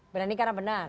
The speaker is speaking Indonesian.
berani karena benar